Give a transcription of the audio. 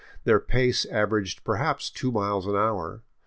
Their pace averaged perhaps two miles an hour.